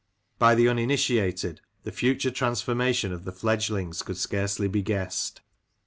By the uninitiated the future transformation of the fledgelings could scarcely be guessed.